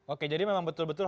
oke jadi memang betul betul